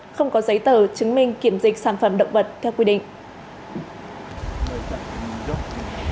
không có giấy tờ chứng minh kiểm dịch sản phẩm động vật theo quy định